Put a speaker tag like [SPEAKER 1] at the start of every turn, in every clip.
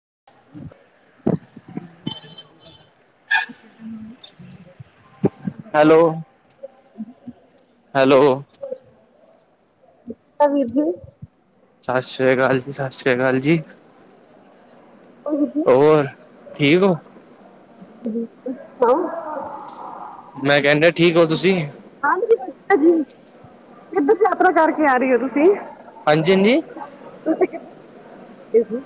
[SPEAKER 1] [inaudible] Hello, hello.
[SPEAKER 2] ਹਾਂ ਵੀਰ ਜੀ।
[SPEAKER 1] ਸਸ ਰੀਆ ਕਾਲ ਜੀ, ਸਸ ਰੀਆ ਕਾਲ ਜੀ।
[SPEAKER 2] ਉਹ ਵੀਰ ਜੀ
[SPEAKER 1] ਹੋਰ, ਠੀਕ ਹੋ।
[SPEAKER 2] ਵਦੀਆ, ਤੁਸੀ ਸੁਣਾਓ।
[SPEAKER 1] ਮੈਂ ਕਹਿਣ ਡਿਆ, ਠੀਕ ਹੋ ਤੁਸੀਂ।
[SPEAKER 2] ਹਾਂਜੀ, [unintelligible] ਕਿੱਧਰ ਯਾਤਰਾ ਕਰਕੇ ਆ ਰਹੀ ਹੋ ਤੁਸੀਂ।
[SPEAKER 1] ਹਾਂਜੀ-ਹਾਂਜੀ।
[SPEAKER 2] ਤੁਸੀਂ ਕਿੱਦਾਂ [unintelligible]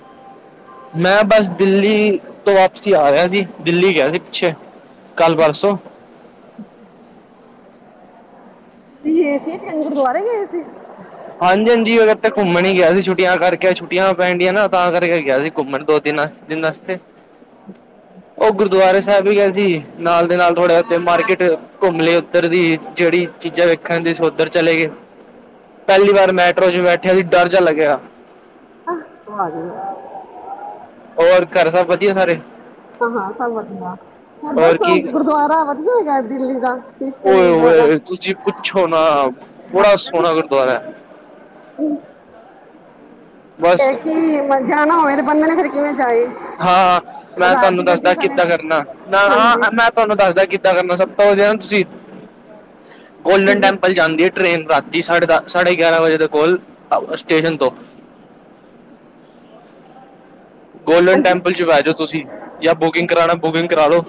[SPEAKER 1] ਮੈਂ ਬਸ ਦਿੱਲੀ ਤੋਂ ਵਾਪਸੀ ਆ ਰਿਹਾ ਸੀ, ਦਿੱਲੀ ਗਿਆ ਸੀ ਪਿੱਛੇ। ਕੱਲ ਪਰਸੋਂ
[SPEAKER 2] [inaudible] ਗਏ ਸੀ, ਸ਼ੀਸ਼ ਗੰਜ ਗੁਰਦੁਆਰੇ ਗਏ ਸੀ?
[SPEAKER 1] ਹਾਂਜੀ- ਹਾਂਜੀ ਅਗਰ ਤਾਂ ਘੁੰਮਣ ਹੀ ਗਿਆ ਸੀ ਛੁੱਟੀਆਂ ਕਰਕੇ, ਛੁੱਟੀਆਂ ਪੈਣ ਦੀਆਂ ਨਾ, ਤਾਂ ਕਰਕੇ ਗਿਆ ਸੀ ਘੁੰਮਣ ਦੋ- ਤਿੰਨ ਦਿਨਸਤੇ ਉਹ ਗੁਰਦੁਆਰੇ ਸਾਹਿਬ ਵੀ ਹੈ ਜੀ, ਨਾਲ ਦੇ ਨਾਲ ਥੋੜਾ ਉਥੇ ਮਾਰਕੀਟ ਘੁੰਮਲੇ ਉੱਧਰ ਦੀ, ਜਿਹੜੀ ਚੀਜ਼ਾਂ ਵੇਖਣ ਦੀ ਸੀ, ਉੱਧਰ ਚਲੇ ਗਏ ਪਹਿਲੀ ਵਾਰ ਮੈਟਰੋ 'ਚ ਬੈਠਿਆ ਸੀ, ਡਰ ਜਿਹਾ ਲਗਿਆ
[SPEAKER 2] ਹ, 'ਚ।
[SPEAKER 1] ਹੋਰ ਘਰ ਸਭ ਵਧੀਆ ਸਾਰੇ।
[SPEAKER 2] ਹਾਂ -ਹਾਂ ਸਭ ਵਧੀਆ ਦਸੋ ਗੁਰਦੁਆਰਾ ਵਧੀਆ ਹੈਗਾ ਦਿੱਲੀ ਦਾ, ਕ੍ਰਿਸ਼ਨ ਗੁਰਦੁਆਰਾ
[SPEAKER 1] ਤੁਸੀਂ ਪੁੱਛੋ ਨਾ, ਬੜਾ ਸੋਹਣਾ ਗੁਰਦੁਆਰਾ ਹੈ
[SPEAKER 2] [unintelligible]
[SPEAKER 1] ਬਸ
[SPEAKER 2] ਇਹ ਕਿ ਮਰਜਾਣਾ ਹੋਵੇ, ਤੇ ਬੰਦੇ ਨੇ ਫਿਰ ਕਿਵੇਂ ਜਾਏ
[SPEAKER 1] ਹਾਂ-ਹਾਂ, ਮੈਂ
[SPEAKER 2] ਰਾਤ
[SPEAKER 1] ਤੁਹਾਨੂੰ
[SPEAKER 2] ਦੀ ਗੱਡੀ
[SPEAKER 1] ਦੱਸਦਾ
[SPEAKER 2] ਫੜੇ
[SPEAKER 1] ਕਿੱਦਾਂ ਕਰਨਾ,
[SPEAKER 2] ਹਾਂਜੀ
[SPEAKER 1] ਤੁਹਾਨੂੰ ਦੱਸਦਾ ਕਿਦਾਂ ਕਰਨਾ, ਸਭ ਤੋਂ ਵਧੀਆ ਤੁਸੀਂ ਗੋਲਡਨ
[SPEAKER 2] ਹਾਂਜੀ ਹਾਂਜੀ
[SPEAKER 1] ਟੈਂਪਲ ਜਾਂਦੀ ਹੈ ਟ੍ਰੇਨ, ਰਾਤੀ ਸਾ ਸਾਢੇ ਗਿਆਰਾਂ ਵਜੇ ਦੇ ਕੋਲ, ਸਟੇਸ਼ਨ ਤੋਂ ਗੋਲਡਨ
[SPEAKER 2] ਹਾਂਜੀ
[SPEAKER 1] ਟੈਂਪਲ 'ਚ ਬਹਿ ਜਾਓ ਤੁਸੀਂ, ਜਾਂ ਬੁਕਿੰਗ ਕਰਾਉਣਾ ਬੁਕਿੰਗ ਕਰਾ ਲੋ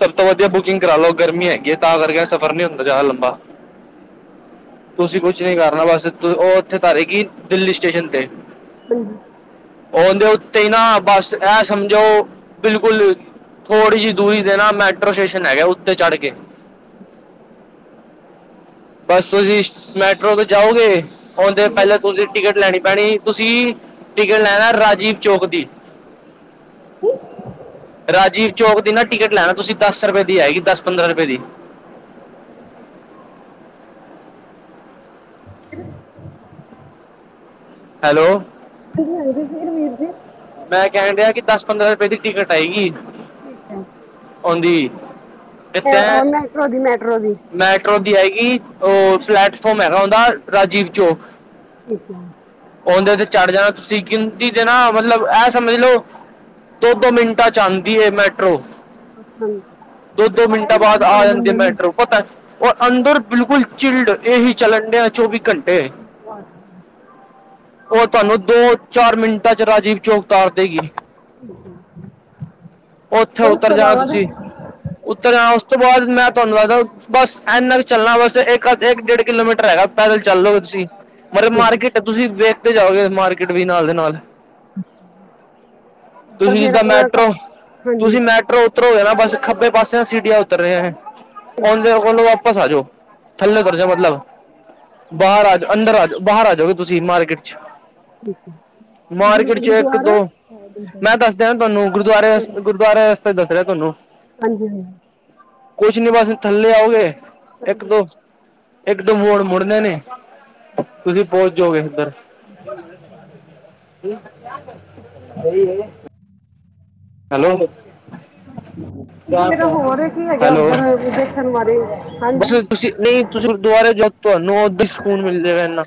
[SPEAKER 1] ਸਭ ਤੋਂ ਵਧੀਆ ਬੁਕਿੰਗ ਕਰਾ ਲਓ, ਗਰਮੀ ਹੈਗੀ ਹੈ ਤਾਂ ਕਰਕੇ ਸਫ਼ਰ ਨੀ ਹੁੰਦਾ ਜਿ਼ਆਦਾ ਲੰਬਾ। ਤੁਸੀਂ ਕੁਛ ਨੀ ਕਰਨਾ ਬਸ, ਉਹ ਉੱਥੇ ਉਤਾਰੇਗੀ ਦਿੱਲੀ ਸਟੇਸ਼ਨ ਤੇ।
[SPEAKER 2] ਹਾਂਜੀ
[SPEAKER 1] ਉਹਦੇ ਉਤੇ ਹੀ ਨਾ, ਬਸ ਇਹ ਸਮਝੋ ਬਿਲਕੁਲ ਥੋੜ੍ਹੀ ਜਿਹੀ ਦੂਰੀ ਤੇ ਨਾ ਮੈਟਰੋ ਸਟੇਸ਼ਨ ਹੈਗਾ, ਉੱਤੇ ਚੜ੍ਹ ਕੇ ਬਸ ਤੁਸੀਂ, ਮੈਟਰੋ ਤੋਂ ਜਾਓਗੇ। ਆਉਂਦੇ ਪਹਿਲਾਂ ਤੁਸੀਂ ਟਿਕਟ ਲੈਣੀ ਪੈਣੀ, ਤੁਸੀਂ ਟਿਕਟ ਲੈਣਾ ਰਾਜੀਵ ਚੋਕਦੀ ਰਾਜੀਵ ਚੌਕ ਦੀ ਨਾ ਟਿਕਟ ਲੈਣਾ ਤੁਸੀਂ, ਦਸ ਰੁਪਏ ਦੀ ਆਏਗੀ, ਦਸ -ਪੰਦਰਾਂ ਰੁਪਏ ਦੀ।
[SPEAKER 2] [inaudible] ਹਮ।
[SPEAKER 1] ਹੈਲੋ
[SPEAKER 2] ਹਾਂਜੀ- ਹਾਂਜੀ, ਫਿਰ ਵੀਰ ਜੀ।
[SPEAKER 1] ਮੈਂ ਕਹਿਣ ਦਿਆ ਕਿ, ਦਸ -ਪੰਦਰਾਂ ਰੁਪਏ ਦੀ ਟਿਕਟ ਆਏਗੀ
[SPEAKER 2] ਠੀਕ ਹੈ
[SPEAKER 1] ਆਉਂਦੀ
[SPEAKER 2] ਉਹ ਮੈਟਰੋ ਦੀ, ਮੈਟਰੋ ਦੀ
[SPEAKER 1] ਮੈਟਰੋ ਦੀ ਆਏਗੀ, ਉਹ ਪਲੈਟਫੋਮ ਹੈਗਾ, ਓਹੰਦਾ ਰਾਜੀਵ ਚੋਕ
[SPEAKER 2] ਠੀਕ ਹੈ
[SPEAKER 1] ਆਉਂਦੇ ਤੇ ਚੜ੍ਹ ਜਾਣਾ, ਤੁਸੀਂ ਗਿਣਤੀ ਦੇ ਨਾ, ਮਤਲਬ ਇਹ ਸਮਝ ਲਓ ਦੋ- ਦੋ ਮਿੰਟਾਂ 'ਚ ਆਉਂਦੀ ਮੈਟਰੋ
[SPEAKER 2] ਹਾਂਜੀ
[SPEAKER 1] ਦੋ -ਦੋ ਮਿੰਟਾਂ ਬਾਅਦ ਆ
[SPEAKER 2] ਖਾਣਾ
[SPEAKER 1] ਜਾਂਦੀ ਏ
[SPEAKER 2] ਬੰਦੇ ਨੂੰ
[SPEAKER 1] ਮੈਟਰੋ ਹੋਰ ਦਸ, ਔਰ ਅੰਦਰ ਬਿਲਕੁਲ ਚਿਲਡ, ਏਸੀ ਚੱਲਣ ਦਿਆਂ ਚੌਵੀ ਘੰਟੇ
[SPEAKER 2] ਹ [unintelligible]
[SPEAKER 1] ਉਹ ਤੁਹਾਨੂੰ, ਦੋ -ਚਾਰ ਮਿੰਟਾਂ 'ਚ ਰਾਜੀਵ ਚੌਕ ਉਤਾਰ ਦੇਵੇਗੀ।
[SPEAKER 2] [inaudible]
[SPEAKER 1] ਉੱਥੇ
[SPEAKER 2] ਤੇ ਉਸ
[SPEAKER 1] ਉੱਤਰ
[SPEAKER 2] ਤੋਂ
[SPEAKER 1] ਜਾਣਾ
[SPEAKER 2] ਬਾਅਦ
[SPEAKER 1] ਤੁਸੀਂ, ਉੱਤਰ ਜਾਣਾ, ਉਸ ਤੋਂ ਬਾਅਦ ਮੈਂ ਤੁਹਾਨੂੰ ਦੱਸਦਾ ਬਸ ਇੰਨਾ ਕੁ ਚੱਲਣਾ, ਬਸ ਇੱਕ- ਇੱਕ ਡੇਢ ਕਿਲੋਮੀਟਰ ਹੈਗਾ। ਪੈਦਲ ਚੱਲੋਗੇ ਤੁਸੀਂ, ਮਤਲਬ
[SPEAKER 2] ਠੀਕ ਹੈ
[SPEAKER 1] ਮਾਰਕੀਟ, ਤੁਸੀਂ ਵੇਖਦੇ ਜਾਓਗੇ, ਮਾਰਕੀਟ ਵੀ ਨਾਲ ਦੇ ਨਾਲ
[SPEAKER 2] ਪਰ
[SPEAKER 1] ਤੁਸੀਂ
[SPEAKER 2] ਫਿਰ
[SPEAKER 1] ਜਿੱਦਾਂ
[SPEAKER 2] ਆਪਣਾ ਕ
[SPEAKER 1] ਮੈਟਰੋ
[SPEAKER 2] ਹਾਂਜੀ
[SPEAKER 1] ਤੁਸੀਂ
[SPEAKER 2] ਠੀਕ
[SPEAKER 1] ਮੈਟਰੋ ਉਤਰੋਗੇ ਨਾ, ਬਸ ਖੱਬੇ ਪਾਸੇ ਸੀਡੀਆਂ ਉਤਰ ਰਹੇ,
[SPEAKER 2] ਹੈ
[SPEAKER 1] ਉਹਦੇ ਵਾਪਸ ਆ ਜਾਓ, ਥੱਲੇ ਉਤਰ ਜਾਓ ਮਤਲਬ, ਬਾਹਰ ਆ ਜਾ, ਅੰਦਰ ਆ ਜਾ ਬਾਹਰ ਆ ਜਾਓਗੇ ਤੁਸੀਂ ਮਾਰਕੀਟ 'ਚ
[SPEAKER 2] ਠੀਕ ਹੈ ਤੇ ਗੁਰ
[SPEAKER 1] ਮਾਰਕੀਟ ਚ ਇੱਕ
[SPEAKER 2] ਗੁਰਦੁਆਰਾ
[SPEAKER 1] ਦੋ
[SPEAKER 2] ਹਾਂਜੀ
[SPEAKER 1] ਮੈਂ
[SPEAKER 2] ਹਾਂਜੀ
[SPEAKER 1] ਦੱਸਦਿਆਂ ਤੁਹਾਨੂੰ ਗੁਰਦੁਆਰੇ ਗੁਰਦੁਆਰੇ ਦਾ ਰਸਤਾ ਦੱਸ ਰਿਹਾ ਤੁਹਾਨੂੰ
[SPEAKER 2] ਹਾਂਜੀ ਹਾਂਜੀ।
[SPEAKER 1] ਕੁਛ ਨੀ ਬਸ ਥੱਲੇ ਆਓਗੇ, ਇੱਕ
[SPEAKER 2] ਹਾਂਜੀ
[SPEAKER 1] ਦੋ ਇਕ ਦੋ ਮੋੜ ਮੁੜਨੇ ਨੇ ਤੁਸੀਂ ਪਹੁੰਚ ਜਾਓਗੇ ਉੱਧਰ [inaudible] ਹੈਲੋ।
[SPEAKER 2] ਜੇ ਤਾਂ ਹੋਰ ਕੀ ਹੈਗਾ
[SPEAKER 1] ਹੈਲੋ
[SPEAKER 2] ਉੱਧਰ ਦੇਖਣ ਵਾਲੇ,
[SPEAKER 1] ਬਸ ਤੁਸੀਂ ਨਹੀਂ ਤੁਸੀਂ ਗੁਰਦੁਆਰੇ ਜਾਓ ਤੁਹਾਨੂੰ ਓਦਾਂ ਹੀ ਸਕੂਨ ਮਿਲਜੇ ਗਾ ਏਨਾ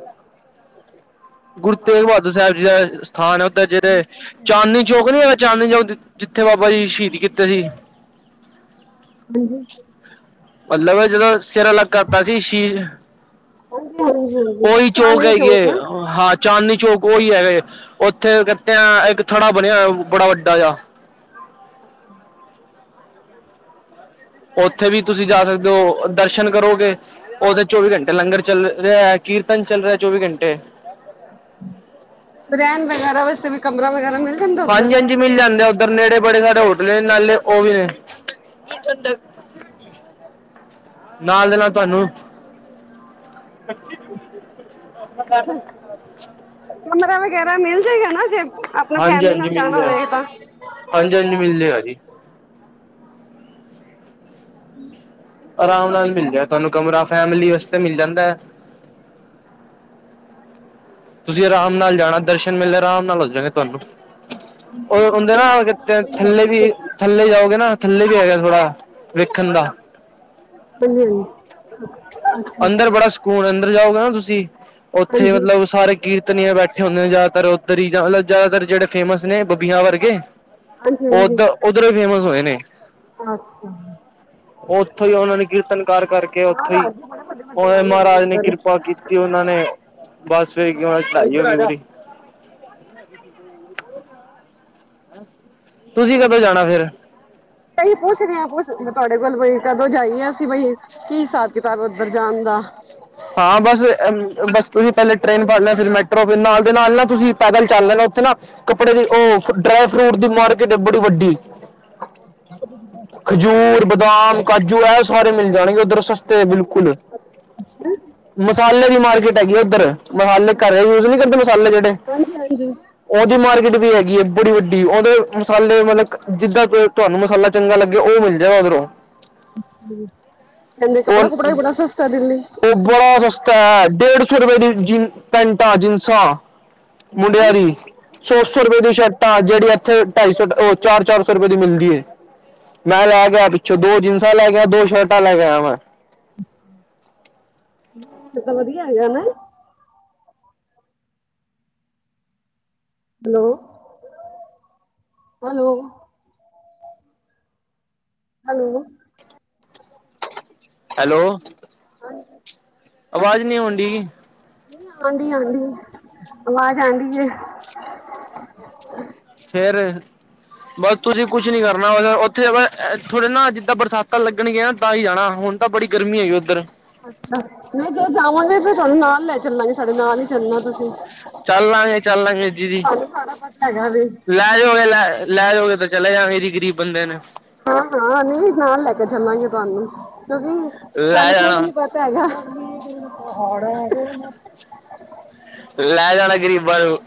[SPEAKER 1] ਗੁਰੂ ਤੇਗ ਬਹਾਦਰ ਸਾਹਿਬ ਜੀ ਦਾ ਸਥਾਨ ਹੈ ਉੱਧਰ ਜਿਹੜੇ ਚਾਂਦਨੀ ਚੌਕ ਨੀ ਹੈਗਾ ਚਾਂਦਨੀ ਚੌਕ, ਜਿੱਥੇ ਬਾਬਾ ਜੀ ਸ਼ਹੀਦ ਕੀਤੇ ਸੀ।
[SPEAKER 2] ਹਾਂਜੀ-
[SPEAKER 1] ਮਤਲਬ ਜਦੋਂ ਸਿਰ ਅ ਲਗ ਕਰਤਾ ਸੀ ਸ਼ੀਸ਼
[SPEAKER 2] ਹਾਂਜੀ ਹਾਂਜੀ ਹਾਂਜੀ
[SPEAKER 1] ਉਹੀ ਚੌਂਕ
[SPEAKER 2] ਚਾਂਦਨੀ
[SPEAKER 1] ਹੈਗੀ ਹੈ
[SPEAKER 2] ਚੌਕ
[SPEAKER 1] ਹਾਥ ਚਾਂਦਨੀ ਚੌਕ ਉਹੀ ਹੈਗੇ, ਉੱਥੇ ਕਹਤੇ ਇੱਕ ਥੜਾ ਬਣਿਆ ਬੜਾ ਵੱਡਾ ਜਿਹਾ।
[SPEAKER 2] ਅੱਛਾ।
[SPEAKER 1] ਉੱਥੇ ਵੀ ਤੁਸੀਂ ਜਾ ਸਕਦੇ ਹੋ ਦਰਸ਼ਨ ਕਰੋਗੇ, ਉਹਦਦੇ ਚੌਵੀ ਘੰਟੇ ਲੰਗਰ ਚੱਲ ਰਿਹਾ, ਕੀਰਤਨ ਚੱਲ ਰਿਹਾ ਚੌਵੀ ਘੰਟੇ।
[SPEAKER 2] ਰਹਿਣ ਵਗੈਰਾ ਵੈਸੇ ਵੀ ਕਮਰਾ ਵਗੈਰਾ ਮਿਲ, ਜਾਂਦਾ ਉੱਧਰ
[SPEAKER 1] ਹਾਂਜੀ ਹਾਂਜੀ ਮਿਲ ਜਾਂਦੇ ਆ, ਉੱਧਰ ਨੇੜੇ ਬੜੇ ਸਾਰੇੇ ਹੋਟਲ ਏ ਨਾਲੇ ਉਹ ਵੀ ਨੇ [unintelligible] ਨਾਲ ਦੇ ਨਾਲ ਤੁਹਾਨੂੰ [inaudible]
[SPEAKER 2] ਕਮਰਾ ਵਗੈਰਾ ਮਿਲ ਜਾਏਗਾ ਨਾ ਜੇ ਆਪਣਾ
[SPEAKER 1] ਹਾਂਜੀ
[SPEAKER 2] ਫੈਮਿਲੀ
[SPEAKER 1] ਹਾਂਜੀ
[SPEAKER 2] ਨਾਲ
[SPEAKER 1] ਮਿਲਦੇ
[SPEAKER 2] ਜਾਣਾ
[SPEAKER 1] ਆ
[SPEAKER 2] ਹੋਵੇ ਤਾਂ।
[SPEAKER 1] ਹਾਂਜੀ ਹਾਂਜੀ, ਮਿਲ ਜੇ ਗਾ ਜੀ
[SPEAKER 2] ਹਮ
[SPEAKER 1] ਆਰਾਮ ਨਾਲ ਮਿਲ ਜਾ ਤੁਹਾਨੂੰ ਕਮਰਾ, ਫੈਮਲੀ ਵਾਸਤੇ ਮਿਲ ਜਾਂਦਾ ਹੈ। ਤੁਸੀਂ ਆਰਾਮ ਨਾਲ ਜਾਣਾ ਦਰਸ਼ਨ ਮੇਲੇ ਆਰਾਮ ਨਾਲ ਹੋ ਜਾਗੇ ਤੁਹਾਨੂੰ ਉਹਦੇ ਨਾ ਥੱਲੇ ਵੀ ਥੱਲੇ ਜਾਓਗੇ ਨਾ ਥੱਲੇ ਵੀ ਹੈਗਾ। ਥੋੜਾ ਵੇਖਣ ਦਾ।
[SPEAKER 2] ਹਾਂਜੀ ਹਾਂਜੀ। ਅੱਛਾ
[SPEAKER 1] ਅੰਦਰ ਬੜਾ ਸਕੂਨ ਅੰਦਰ ਜਾਓਗੇ ਨਾ ਤੁਸੀਂ, ਉੱਥੇ
[SPEAKER 2] ਹਾਂਜੀ ਹਾਂਜੀ
[SPEAKER 1] ਮਤਲਬ ਸਾਰੇ ਕੀਰਤਨੀਆਂ ਬੈਠੇ ਹੁੰਦੇ ਨੇ ਜ਼ਿਆਦਾਤਰ ਉੱਧਰ ਹੀ, ਜ਼ਿਆਦਾਤਰ ਜਿਹੜੇ ਫੇਮਸ ਨੇ ਬਬੀਆਂ ਵਰਗੇ।
[SPEAKER 2] ਹਾਂਜੀ ਹਾਂਜੀ
[SPEAKER 1] ਓਦਾ ਉਧਰੋਂ ਹੀ ਫੇਮਸ ਹੋਏ ਨੇ
[SPEAKER 2] ਅੱਛਾ
[SPEAKER 1] ਉੱਥੋਂ ਹੀ ਉਹਨਾਂ ਨੇ ਕੀਰਤਨ ਕਰ ਕਰ ਕੇ,
[SPEAKER 2] ਹਾਂ
[SPEAKER 1] ਈ
[SPEAKER 2] ਰਾਜ ਜੀ ਬੜੇ ਵੱਡੇ ਵੱਡੇ
[SPEAKER 1] ਉਹਨਾਂ
[SPEAKER 2] ਆਏ ਹੁੰਦੇ
[SPEAKER 1] ਮਹਾਰਾਜ ਨੇ
[SPEAKER 2] ਉੱਧਰ
[SPEAKER 1] ਕਿਰਪਾ ਕੀਤੀ ਉਹਨਾਂ ਨੇ ਬਸ ਫੇਰ, ੳਹਨਾ ਦੀ ਚੜਾਈ ਹੋਗੀ ਬੜੀ [inaudible] ਤੁਸੀਂ ਕਦੋ ਜਾਣਾ ਫਿਰ?
[SPEAKER 2] ਐ ਹੀ ਪੁੱਛਦੇ ਹਾ ਪੁੱਛ ਮੈਂ ਤੁਹਾਡੇ ਕੋਲ ਬਈ ਕਦੋਂ ਜਾਈ ਆ ਅਸੀਂ ਬਈ ਕੀ ਹਿਸਾਬ ਕਿਤਾਬ ਉੱਧਰ ਜਾਣ ਦਾ?
[SPEAKER 1] ਹਾਂ ਬਸ, ਬਸ ਤੁਸੀਂ ਪਹਿਲੇ ਟ੍ਰੇਨ ਫੜ ਲੈ ਫਿਰ ਮੈਟਰੋ ਫਿਰ ਨਾਲ ਦੇ ਨਾਲ ਨਾ ਤੁਸੀਂ ਪੈਦਲ ਚੱਲ ਲੈਣਾ ਉੱਥੇ ਨਾ ਕੱਪੜੇ ਦੀ, ਉਹ ਡਰਾਈ ਫਰੂਟ ਦੀ ਮਾਰਕੀਟ ਏ ਬੜੀ ਵੱਡੀ
[SPEAKER 2] ਅੱਛਾ
[SPEAKER 1] ਖਜੂਰ, ਬਦਾਮ, ਕਾਜੂ ਇਹ ਸਾਰੇ ਮਿਲ ਜਾਣਗੇ ਉੱਧਰ ਸਸਤੇ ਬਿਲਕੁਲ
[SPEAKER 2] [unintelligible]
[SPEAKER 1] ਮਸਾਲੇ ਦੀ ਮਾਰਕੀਟ ਹੈਗੀ ਆ ਉੱਧਰ, ਮਸਾਲੇ ਘਰ ਯੂਜ ਨਹੀ ਕਰਦੇ ਮਸਾਲੇ ਜਿਹੜੇ ਉਹਦੀ ਮਾਰਕੀਟ ਵੀ ਹੈਗੀ ਏ ਬੜੀ ਵੱਡੀ, ਉਹਦੇ ਮਸਾਲੇ ਮਤਲਬ ਜਿੱਦਾਂ ਤੁਹਾਨੂੰ ਮਸਾਲਾ ਚੰਗਾ ਲੱਗੇ ਉਹ ਮਿਲ ਜਾਏ ਉਧਰੋਂ
[SPEAKER 2] ਕਹਿੰਦੇ ਕੱਪੜਾ ਕੁਪੜਾ
[SPEAKER 1] ਉਹ
[SPEAKER 2] ਵੀ ਬੜਾ ਸਸਤਾ ਦਿੱਲੀ
[SPEAKER 1] ਉਹ ਬੜਾ ਸਸਤਾ ਹੈ ਡੇਢ ਸੌ ਰੁਪਏ ਦੀ ਜਿ ਪੈਂਟਾ, ਜੀਨਸਾ। ਮੁੰਡਿਆ ਦੀ। ਸੋ-ਸੌ ਰੁਪਏ ਦੀ ਸ਼ਰਟਾ ਜਿਹੜੀ ਇੱਥੇ ਢਾਈ ਸੌ ਉਹ ਚਾਰ-ਚਾਰ ਸੌ ਰੁਪਏ ਦੀ ਮਿਲਦੀ ਏ। ਮੈਂ ਲੈ ਆ ਪਿੱਛੋਂ ਦੋ ਜੀਨਸਾਂ ਲੈ ਕੇ ਆ ਦੋ ਸ਼ਰਟਾਂ ਲੈ ਕੇ ਆਯਾ ਵਾ।
[SPEAKER 2] ਫੇਰ ਤਾ ਵਧੀਆ ਹੈਗਾ ਨਾ। ਹੈਲੋ-ਹੈਲੋ। ਹੈਲੋ ਨਹੀਂ
[SPEAKER 1] ਹੈਲੋ, ਅਵਾਜ਼ ਨਹੀਂ ਆਉਣਡੀ।
[SPEAKER 2] ਹਾਂਜੀ-ਹਾਂਜੀ ਆਵਾਜ਼ ਆਂਦੀ ਪੀ ਏ।
[SPEAKER 1] ਫੇਰ ਬਸ ਤੁਸੀਂ ਕੁਛ ਨੀ ਕਰਨਾ ਓਹਦਾ ਅ ਇਥੋਂ ਦੀ ਨਾ ਜਿੱਦਾਂ ਬਰਸਾਤਾ ਲੱਗਣਗੀਆ ਨਾ ਤਾਹੀ ਜਾਣਾ ਹੁਣ ਤਾ ਬੜੀ ਗਰਮੀ ਹੈਗੀ ਉੱਧਰ।
[SPEAKER 2] ਅੱਛਾ ਨਈ ਜਦੋਂ ਜਾਵਾਂਗੇ ਫੇਰ ਤੁਹਾਨੂੰ ਨਾਲ ਲੈ ਚੱਲਾਂਗੇ ਸਾਡੇ ਨਾਲ ਹੀ ਚੱਲਣਾ ਤੁਸੀ।
[SPEAKER 1] ਚੱਲਲਾਗੇ-ਚੱਲਲਾਗੇ ਦੀਦੀ,
[SPEAKER 2] ਸਾਰਾ ਪਤਾ ਹੈਗਾ ਵੇ
[SPEAKER 1] ਲੈ ਲੈਜੋਗੇ ਲੈ, ਲੈ ਜੋਗੇ ਤੇ ਚਲੇਗਾ ਜੀ ਗ਼ਰੀਬ ਬੰਦੇ ਨੁੰ।
[SPEAKER 2] ਹਾਂ-ਹਾਂ ਨੀ ਨਾਲ ਲੈਕੇ ਚੱਲਾਂਗੇ ਤੁਹਾਨੂੰ, ਕਿਉਂਕਿ
[SPEAKER 1] ਲੈ
[SPEAKER 2] ਸਾਨੂੰ ਖੁਦ
[SPEAKER 1] ਜਾਣਾ
[SPEAKER 2] ਨੀ ਪ ਤਾ ਹੈਗਾ।
[SPEAKER 1] ਲੈ ਜਾਣਾ ਗ਼ਰੀਬਾ ਨੂੰ।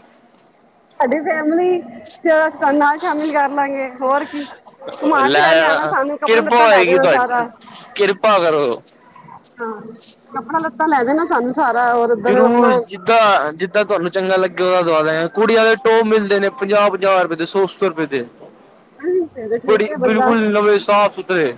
[SPEAKER 2] ਸਾਡੀ ਫੈਮਲੀ ਚ ਤਾਨੂੰ ਨਾਲ ਸ਼ਾਮਿਲ ਕਰ ਲਾਂਗੇ ਹੋਰ ਕੀ। ਘੁਮਾ
[SPEAKER 1] ਲੈ
[SPEAKER 2] ਫਿਰਾ ਲਿਆਣਾ
[SPEAKER 1] ਜਾਣਾ
[SPEAKER 2] ਸਾਨੂੰ ਕੱਪੜਾ
[SPEAKER 1] ਕਿਰਪਾ
[SPEAKER 2] ਲੱਤਾ ਲੈ
[SPEAKER 1] ਹੋਏਗੀ
[SPEAKER 2] ਦੇਣਾ
[SPEAKER 1] ਤੁਹਾਡੀ ਕਿਰਪਾ ਕਰੋ।
[SPEAKER 2] ਹਾਂਕੱਪੜਾ-ਲੱਤਾ ਲੈ ਦੇਣਾ ਸਾਨੂੰ। ਸਾਰਾ ਉਹ
[SPEAKER 1] ਜ਼ਰੂਰ ਜ ਦਾਂ ਜਿੱਦਾਂ ਤੁਹਾਨੂੰ ਚੰਗਾ ਲੱਗੇ ਉਹਦਾ ਦਵਾ ਦੇਗੇ ਕੁੜੀਆਂ ਦੇ ਟੋ ਮਿਲਦੇ ਨੇ ਪੰਜਾਹ-ਪੰਜਾਹ ਰੁਪਏ ਦੇ ਸੌ-ਸੌ ਰੁਪਏ ਦੇ।
[SPEAKER 2] ਫਿਰ ਠੀਕ ਹੈ
[SPEAKER 1] [unintelligible]
[SPEAKER 2] ਬੰਦਾ
[SPEAKER 1] ਬਿਲਕੁਲ ਨਵੇਂ ਸਾਫ਼-ਸੁਥਰੇ।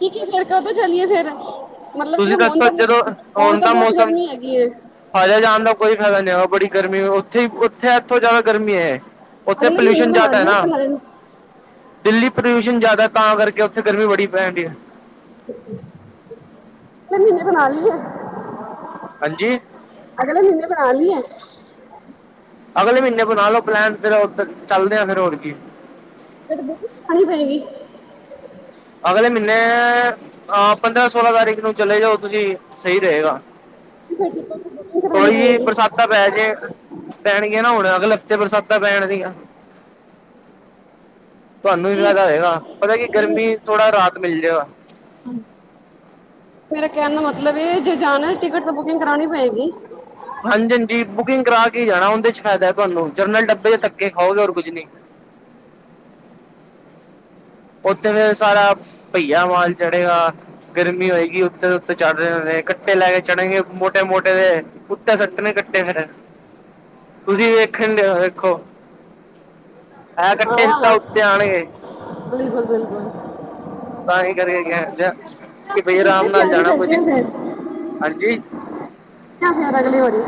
[SPEAKER 2] ਠੀਕ ਹੈ ਫੇਰ ਕਦੋਂ ਚਲੀਏ ਫੇਰ ਮਤਲਬ ਕਿ
[SPEAKER 1] ਤੁਸੀਂ
[SPEAKER 2] ਹੁਣ
[SPEAKER 1] ਦੱਸੋ
[SPEAKER 2] ਤਾਂ
[SPEAKER 1] ਜਦੋਂ
[SPEAKER 2] ਹੁਣ ਤਾਂ ਬਹੁਤ ਗਰਮੀ ਹੈਗੀ ਏ।
[SPEAKER 1] ਹਜੇ ਜਾਣ ਦਾ ਕੋਈ ਫਾਇਦਾ ਨੀ ਹੈ ਬੜੀ ਗਰਮੀ ਉੱਥੇਹੀ ਉੱਥੇ ਇੱਥੋਂ ਜਾਦਾ ਗਰਮੀ ਹੈ। ਉੱਥੇ
[SPEAKER 2] ਅਗਲੇ ਮਹੀਨੇ
[SPEAKER 1] ਪੋਲਿਊਸ਼ਨ
[SPEAKER 2] ਬਣਾ
[SPEAKER 1] ਜਾਦਾ
[SPEAKER 2] ਲਈਏ
[SPEAKER 1] ਐਨਾ।
[SPEAKER 2] ਪਲਾਨ
[SPEAKER 1] ਦਿੱਲੀ ਪਲਿਊਸ਼ਨ ਜਾਦਾ ਤਾਂ ਕਰਕੇ ਉੱਥੇ ਗਰਮੀ ਬੜੀ ਪੈਨਡੀਏ।
[SPEAKER 2] ਹੂੰ, ਮੀਨੇ ਬਣਾ ਲੀਏ।
[SPEAKER 1] ਹਾਂਜੀ
[SPEAKER 2] ਅਗਲੇ ਮਹੀਨੇ ਬਣਾ ਲਈਏ।
[SPEAKER 1] ਅਗਲੇ ਮਹੀਨੇ ਬਣਾ ਲਓ ਪਲੈਨ ਫਿਰ ਉ ਚੱਲਦੇ ਆ ਫੇਰ ਹੋਰ ਕੀ।
[SPEAKER 2] ਫੇਰ ਬੁਕਿੰਗ ਕਰਾਣੀ ਪਏਗੀ।
[SPEAKER 1] ਅਗਲੇ ਮੀਨੇ ਆਹ ਪੰਦਰਾਂ-ਸੋਲਾਂ ਤਾਰੀਖ ਨੂੰ ਚਲੇ ਜਾਓ ਤੁਸੀਂ ਸਹੀ ਰਹੇਗਾ।
[SPEAKER 2] ਫਿਰ ਟਿਕਟ ਬੁਕਿੰਗ
[SPEAKER 1] ਹੋਰ
[SPEAKER 2] ਕਰਾਣੀ
[SPEAKER 1] ਕੀ
[SPEAKER 2] ਪਏਗੀ
[SPEAKER 1] ਬਰਸਾਤਾਂ ਪੈ ਜੇ ਪੈਣਗੀਆਂ ਨਾ ਹੁਣ ਅਗਲੇ ਲਫ਼ਤੇ ਬਰਸਾਤਾ ਪੈਣਗੀਆਂ। ਤੁਹਾਨੂੰ ਵੀ ਫਾਇਦਾ
[SPEAKER 2] ਠੀਕ
[SPEAKER 1] ਹੋਏਗਾ ਪਤਾ ਕੀ ਗਰਮੀ ਥੋੜਾ ਰਾਤ ਮਿਲ ਜਾਗਾ।
[SPEAKER 2] ਹਾਂ ਮੇਰੇ ਕਹਿਣ ਦਾ ਮਤਲਬ ਹੈ ਜੇ ਜਾਣਾ ਟਿਕਟ ਤੇ ਬੁਕਿੰਗ ਕਰਾਣੀ ਪਏਗੀ।
[SPEAKER 1] ਹਾਂਜੀ-ਹਾਂਜੀ ਬੁਕਿੰਗ ਕਰਾ ਕੇ ਹੀ ਜਾਣਾ ਉਹਦੇ ਚ ਫਾਇਦਾ ਹੈ ਤੁਹਾਨੂੰ ਜਨਰਲ ਡੱਬੇ ਚ ਧੱਕੇ ਖਾਓਗੇ ਹੋਰ ਕੁਝ ਨੀ। ਉੱਥੇ ਫੇਰ ਸਾਰਾ ਭਹੀਆ ਮਾਲ ਚੜੇਗਾ। ਗਰਮੀ ਹੋਏਗੀ ਉੱਤੇ-ਉੱਤੇ ਚੜ੍ਹ ਰੇ ਹੋਣੇ ਕੱਟੇ ਲੈਕੇ ਚੜਨਗੇ ਮੋਟੇ-ਮੋਟੇ ਜੇ। ਕੁੱਤੇ ਸੱਟਣੇ ਕੱਟੇ ਫੇਰ ਤੁਸੀਂ ਵੇਖਣ ਡ ਵੇਖੋ। ਇਹ ਕੱਟੇ ਸਿੱਧਾ ਉੱਤੇ ਆਣਗੇ।
[SPEAKER 2] ਬਿਲਕੁਲ-ਬਿਲਕੁਲ।
[SPEAKER 1] ਤਾ ਹੀ ਕਰਕੇ ਕਆ ਕਿ ਬਈ ਆਰਾਮ ਨਾਲ ਜਾਣਾ ਕੋਈ ਦਿੱਕ ਹਾਂਜੀ
[SPEAKER 2] ਯਾ ਫੇਰ ਅਗਲੀ ਵਾਰੀ।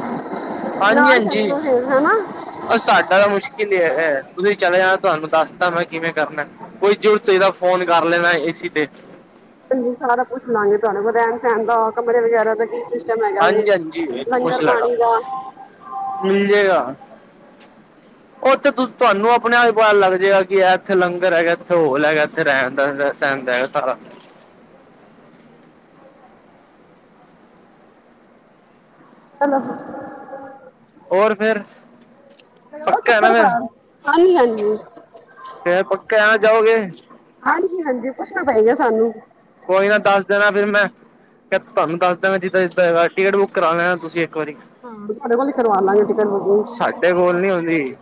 [SPEAKER 1] ਹਾਂਜੀ-ਹਾਂਜੀ ਉਹ ਸਾਡਾ ਤਾਂ ਮੁਸ਼ਕਿਲ ਹੀ ਹੈ, ਤੁਸੀਂ ਚਲੇ ਜਾਣਾ ਤੁਹਾਨੂੰ ਦੱਸਤਾ ਮੈਂ ਕਿਵੇਂ ਕਰਨਾ। ਕੋਈ ਜ਼ਰੂਰਤ ਏ ਤਾਂ ਫੋਨ ਕਰ ਲੈਣਾ ਹੀ ਸੀ ਤੇ,
[SPEAKER 2] ਹਾਂਜੀ ਸਾਰਾ ਕੁਛ ਲੰਘ ਜਾਣਾ ਰਹਿਣ ਸਹਿਣ ਦਾ ਕਮਰੇ ਵਗੈਰਾ ਦਾ ਕੀ ਸਿਸਟਮ ਸਿਸਟਮ ਹੈਗਾ ਵੇ,
[SPEAKER 1] ਹਾਂਜੀ ਹਾਂਜੀ ਪੁੱਛ
[SPEAKER 2] ਲੰਗਰ
[SPEAKER 1] ਲੈਣਾ
[SPEAKER 2] ਪਾਣੀ ਦਾ,
[SPEAKER 1] ਮਿਲ ਜੇ ਗਾ। ਉੱਥੇ ਤੁਹਾਨੂੰ ਆਪਣੇ ਆਪ ਹੀ ਪਤਾ ਲੱਗ ਜਾਏਗਾ ਕਿ ਇਹ ਇੱਥੇ ਲੰਗਰ ਹੈਗਾ ਇੱਥੇ ਹੋਲ ਹੈਗਾ। ਰਹਿਣ ਦਾ ਸਹਿਣ ਦਾ ਹੈ ਸਾਰਾ,
[SPEAKER 2] ਚਲੋ,
[SPEAKER 1] ਹੋਰ ਫਿਰ,
[SPEAKER 2] ਲਗਾਓ
[SPEAKER 1] ਪੱਕਾ ਹੈਨਾ
[SPEAKER 2] ਚੱਕਰ
[SPEAKER 1] ਫਿਰ,
[SPEAKER 2] ਘਰ ਹਾਂਜੀ ਹਾਂਜੀ
[SPEAKER 1] ਫੇਰ ਪੱਕੇ ਆ ਜਾਓਗੇ।
[SPEAKER 2] ਹਾਂਜੀ-ਹਾਂਜੀ, ਪੁੱਛਣਾ ਪਏਗਾ ਸਾਨੂੰ।
[SPEAKER 1] ਕੋਈ ਨਾ ਦੱਸ ਦੇਣਾ ਫਿਰ ਮੈਂ ਕਿ ਤੁਹਾਨੂੰ ਦਸ ਦੇਵਾਂ ਮੈਂ ਜਿੱਦਾਂ ਜਿੱਦਾਂ ਹੈ ਟਿਕਟ ਬੁੱਕ ਕਰਾ ਲੈਣਾ ਤੁਸੀਂ ਇੱਕ ਵਾਰੀ
[SPEAKER 2] ਹਾਂ, ਤੁਹਾਡੇ ਕੋਲ ਕਰਵਾ ਲਾਂਗੇ ਅਸੀਂ ਨਹੀਂ,
[SPEAKER 1] ਸਾਡੇ ਕੋਲ ਨੀ ਹੁੰਦੀ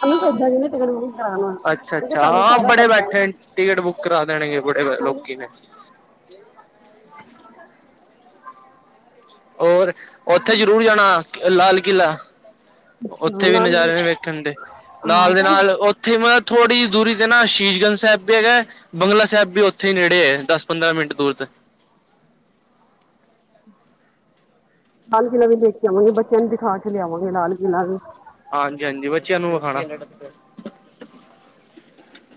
[SPEAKER 2] ਸਾਨੂੰ ਤਾਂ ਇਹਦਾਂ ਦੀ ਨੀ ਟਿਕਟ ਕਰਾਉਣ ਵਾਸਤੇ ਕਿਉਂਕਿ
[SPEAKER 1] ਅੱਛਾ-ਅੱਛਾ,
[SPEAKER 2] ਤੁਹਾਨੂੰ
[SPEAKER 1] ਹਾਂ,
[SPEAKER 2] ਸਾਰਾ
[SPEAKER 1] ਬੜੇ
[SPEAKER 2] ਪਤਾ
[SPEAKER 1] ਬੈਠੇ ਨੇ
[SPEAKER 2] ਹੈ
[SPEAKER 1] ਟਿਕਟ ਬੁੱਕ ਕਰਾ ਦੇਣਗੇ ਬੜੇ ਲੋਕੀ ਨੇ, ਹੋਰ, ਉੱਥੇ ਜ਼ਰੂਰ ਜਾਣਾ ਲਾਲ ਕਿਲ੍ਹਾ,
[SPEAKER 2] ਹਾਂ
[SPEAKER 1] ਉੱਥੇ ਵੀ
[SPEAKER 2] ਨਾਲ ਹੀ
[SPEAKER 1] ਨਜ਼ਾਰੇ ਨੇ ਵੇਖਣ ਦੇ, ਨਾਲ ਦੇ ਨਾਲ ਉੱਥੇ ਮਤਲਬ ਥੋੜ੍ਹੀ ਜਹੀ ਦੂਰੀ ਤੇ ਨਾ ਸ਼ਹੀਦਗੰਜ ਸਾਹਿਬ ਵੀ ਹੈਗਾ। ਬੰਗਲਾ ਸਾਹਿਬ ਵੀ ਉੱਥੇ ਹੀ ਨੇੜੇ ਹੈ ਦਸ ਪੰਦਰਾਂ ਮਿੰਟ ਦੂਰ ਤੇ,
[SPEAKER 2] ਲਾਲ ਕਿਲ੍ਹਾ ਵੀ ਦੇਖ ਕੇ ਆਵਾਂਗੇ, ਬੱਚਿਆਂ ਨੂੰ ਦਿਖਾ ਕੇ ਲਿਆਵਾਂਗੇ ਲਾਲ ਕਿਲ੍ਹਾ ਵੀ,
[SPEAKER 1] ਹਾਂਜੀ-ਹਾਂਜੀ, ਬੱਚਿਆਂ ਨੂੰ ਵਿਖਾਣਾ,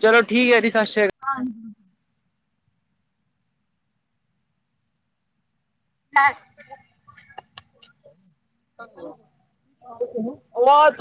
[SPEAKER 1] ਚਲੋ ਠੀਕ ਹੈ ਜੀ, ਸਤਿ ਸ਼੍ਰੀ ਅਕਾਲ,
[SPEAKER 2] ਹਾਂ ਹੈ, ਉਹ ਤੋਂ,